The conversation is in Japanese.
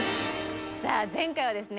さあ前回はですね